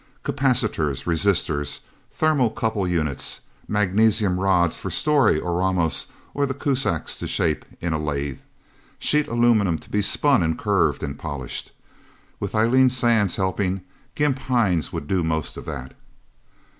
Capacitors, resistors, thermocouple units. Magnesium rods for Storey or Ramos or the Kuzaks to shape in a lathe. Sheet aluminum to be spun and curved and polished. With Eileen Sands helping, Gimp Hines would do most of that.